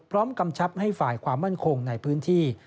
กำชับให้ฝ่ายความมั่นคงในพื้นที่